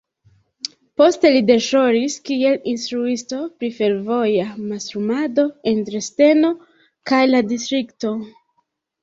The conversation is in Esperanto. Poste li deĵoris kiel instruisto pri fervoja mastrumado en Dresdeno kaj la distrikto.